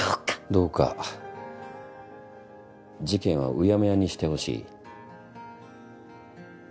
どうか事件はうやむやにしてほしい？